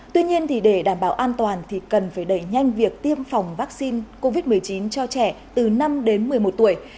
tuy nhiên để đảm bảo an toàn thì cần phải đẩy nhanh việc tiêm phòng vaccine covid một mươi chín cho trẻ từ năm đến một mươi một tuổi